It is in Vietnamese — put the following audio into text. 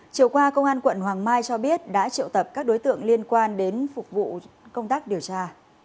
chiều qua công an quận hoàng mai cho biết đã triệu tập các đối tượng liên quan đến phục vụ công tác điều tra